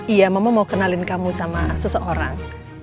iya mama mau kenalin kamu sama seseorang